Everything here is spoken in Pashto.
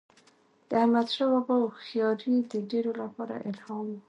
د احمدشاه بابا هوښیاري د ډیرو لپاره الهام و.